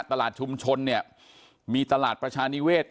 ตลาดชุมชนเนี่ยมีตลาดประชานิเวศ